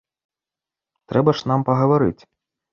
Трэба ж нам пагаварыць.